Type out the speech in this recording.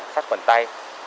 sắt quần tay